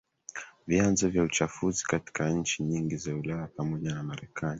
vyanzo vya uchafuzi katika nchi nyingi za Ulaya pamoja na Marekani